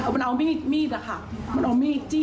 มันเอามีดมีดอะค่ะมันเอามีดจี้